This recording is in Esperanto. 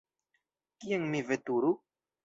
Kien mi veturu?